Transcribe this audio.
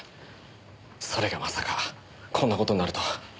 それがまさかこんな事になるとは。